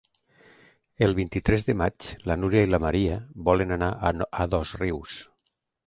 El vint-i-tres de maig na Júlia i na Maria volen anar a Dosrius.